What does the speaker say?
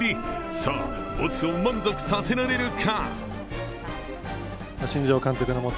さあ、ボスを満足させられるか？